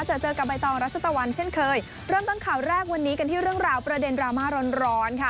เจอเจอกับใบตองรัชตะวันเช่นเคยเริ่มต้นข่าวแรกวันนี้กันที่เรื่องราวประเด็นดราม่าร้อนร้อนค่ะ